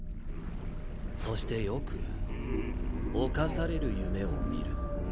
そしてよく犯される夢を見る。